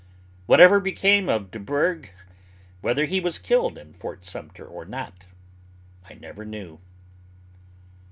Whatever became of Deburgh, whether he was killed in Fort Sumter or not, I never knew.